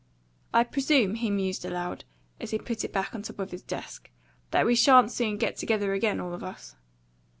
"I presume," he mused aloud, as he put it back on top of his desk, "that we sha'n't soon get together again, all of us."